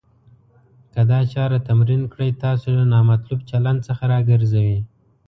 که دا چاره تمرین کړئ. تاسو له نامطلوب چلند څخه راګرځوي.